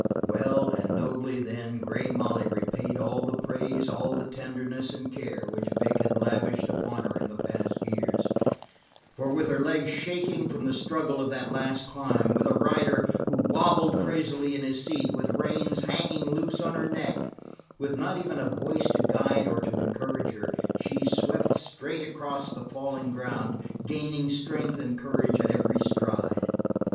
Well and nobly, then, Grey Molly repaid all the praise, all the tenderness and care which Vic had lavished upon her in the past years, for with her legs shaking from the struggle of that last climb, with a rider who wobbled crazily in his seat, with reins hanging loose on her neck, with not even a voice to guide or to encourage her, she swept straight across the falling ground, gaining strength and courage at every stride.